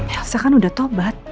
saya kan udah tobat